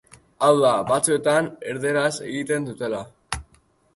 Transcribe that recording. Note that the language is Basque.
Hau da, batzuetan erdaraz egiten dutela.